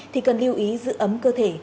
thì cần lưu ý giữ ấm cơ thể